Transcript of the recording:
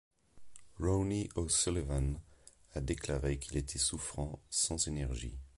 Ronnie O'Sullivan a déclaré qu'il était souffrant, sans énergie.